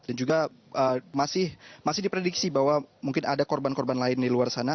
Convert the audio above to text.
dan juga masih diprediksi bahwa mungkin ada korban korban lain di luar sana